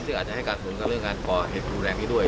ซึ่งอาจจะให้การสูญกับเรื่องการป่าเห็ดภูแรงด้วย